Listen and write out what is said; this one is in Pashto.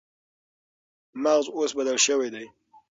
مغز اوس بدل شوی دی.